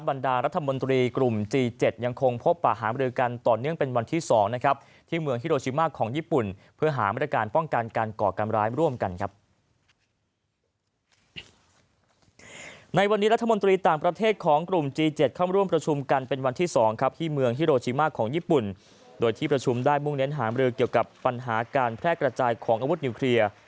ปราชุมได้มุ่งเน้นหางบริเวณเกี่ยวกับปัญหาการแพร่กระาจายของอาวุธนิวเคลียร์